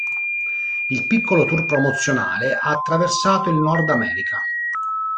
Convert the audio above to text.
Il piccolo tour promozionale ha attraversato il Nord America.